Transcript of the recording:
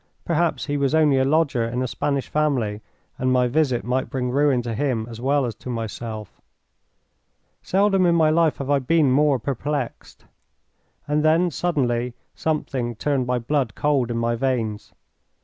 Perhaps he was only a lodger in a Spanish family, and my visit might bring ruin to him as well as to myself. Seldom in my life have I been more perplexed. And then, suddenly, something turned my blood cold in my veins.